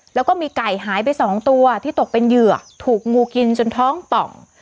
แล้วก็มีไก่หายไปสองตัวที่ตกเป็นเหยื่อถูกงูกินจนท้องป่อง